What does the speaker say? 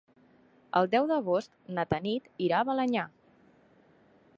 El deu d'agost na Tanit irà a Balenyà.